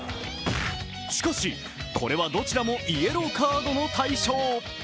しかし、これはどちらもイエローカードの対象。